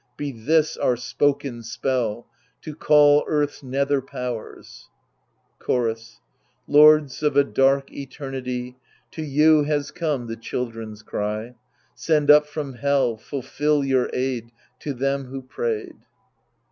Be this our spoken spell, to call Earth's nether powers 1 Chorus Lords of a dark eternity, To you has come the children's cry, Send up from hell, fulfil your aid To them who prayed.